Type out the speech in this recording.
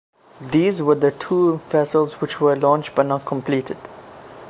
These were the two vessels which were launched but not completed.